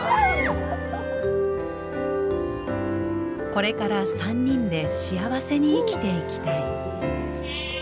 これから３人で幸せに生きていきたい。